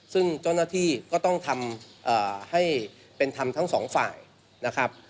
ซึ่งเจ้าหน้าที่ก็ต้องทำให้เป็นธรรมทั้งสองฝ่ายนะครับ